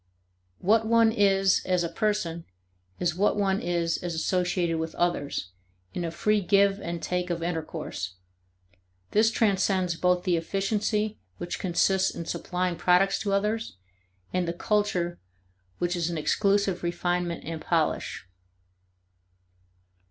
What one is as a person is what one is as associated with others, in a free give and take of intercourse. This transcends both the efficiency which consists in supplying products to others and the culture which is an exclusive refinement and polish.